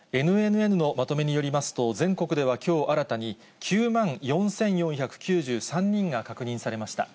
ＮＮＮのまとめによりますと、全国ではきょう、新たに９万４４９３人が確認されました。